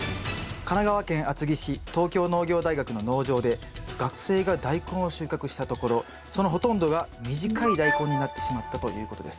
神奈川県厚木市東京農業大学の農場で学生がダイコンを収穫したところそのほとんどが短いダイコンになってしまったということです。